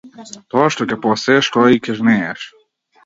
Тоа што ќе посееш тоа и ќе жнееш.